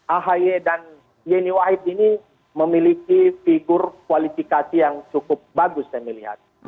ahy dan yeni wahid ini memiliki figur kualifikasi yang cukup bagus saya melihat